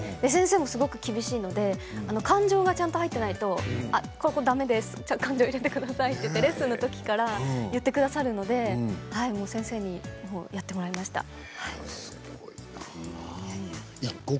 先生もすごく厳しいので感情がちゃんと入っていないとここだめです、ちゃんと感情を入れてくださいって練習のときから言ってくださるので先生にやってもらいました。